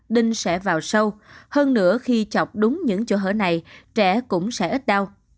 đinh sẽ vào sâu hơn nữa khi chọc đúng những chỗ hở này trẻ cũng sẽ ít đau